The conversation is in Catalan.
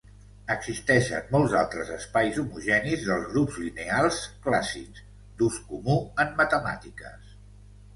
Existeixen molts altres espais homogenis dels grups lineals clàssics, d'ús comú en matemàtiques.